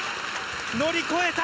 乗り越えた。